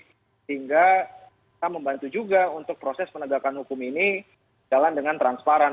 sehingga kita membantu juga untuk proses penegakan hukum ini jalan dengan transparan